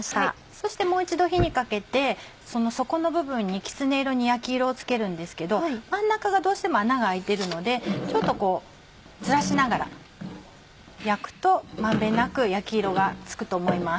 そしてもう一度火にかけて底の部分にきつね色に焼き色をつけるんですけど真ん中がどうしても穴が開いてるのでちょっとずらしながら焼くと満遍なく焼き色がつくと思います。